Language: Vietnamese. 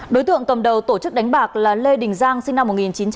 đối tượng tầm đầu tổ chức đánh bạc là lê đình giang sinh năm một nghìn chín trăm sáu mươi sáu